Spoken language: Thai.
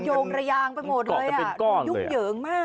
กระโยงกระยางไปหมดเลยยุ่งเหยิงมาก